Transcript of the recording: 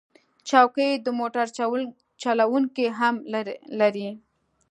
چوکۍ د موټر چلونکي هم لري.